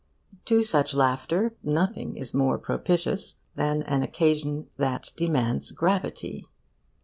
To such laughter nothing is more propitious than an occasion that demands gravity.